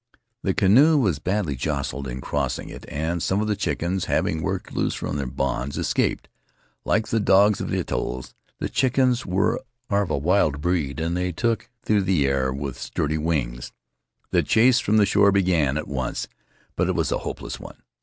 The canoe was badly jostled in crossing it, and some of the chickens, having worked loose from their bonds, escaped. Like the dogs of the atolls, the chickens are of a wild breed, and they took the air with sturdy wings. The chase from the shore began at once, but it was a hopeless one.